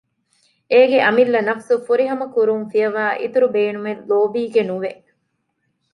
އޭގެ އަމިއްލަ ނަފުސު ފުރިހަމަކުރުން ފިޔަވައި އިތުރު ބޭނުމެއް ލޯބީގެ ނުވެ